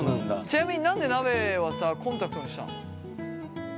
ちなみに何でなべはコンタクトにしたの？